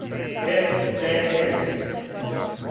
ем те ес